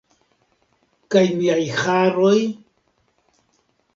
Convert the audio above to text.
Kaj miaj haroj?